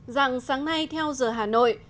rằng sáng nay theo giờ hà nội